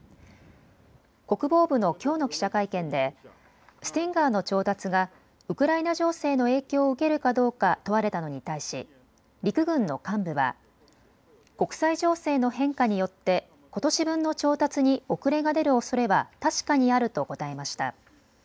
国防部のきょうの記者会見でスティンガーの調達がウクライナ情勢の影響を受けるかどうか問われたのに対し陸軍の幹部は国際情勢の変化によってことし分の調達に遅れが出るおそれは確かにあると答えました。